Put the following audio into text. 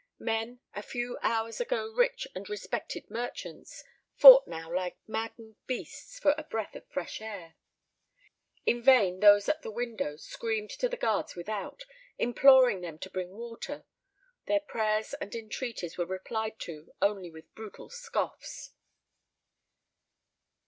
Men, a few hours ago rich and respected merchants, fought now like maddened beasts for a breath of fresh air. In vain those at the window screamed to the guards without, imploring them to bring water. Their prayers and entreaties were replied to only with brutal scoffs.